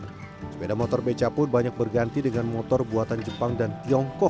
sepeda motor beca pun banyak berganti dengan motor buatan jepang dan tiongkok